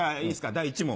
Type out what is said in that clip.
第１問。